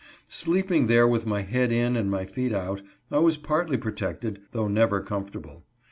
Sleeping there with my head in and my feet out, I was partly protected, though never com fortable.